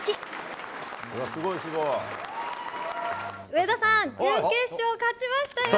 上田さん、準決勝勝ちましたよ。